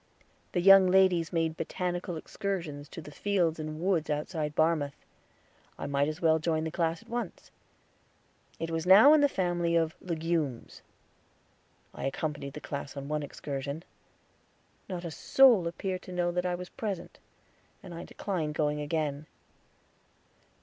The young ladies made botanical excursions to the fields and woods outside Barmouth; I might as well join the class at once. It was now in the family of the Legumes. I accompanied the class on one excursion. Not a soul appeared to know that I was present, and I declined going again.